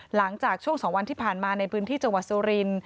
หลังจากช่วง๒วันที่ผ่านมาในพื้นที่จังหวัดสุรินทร์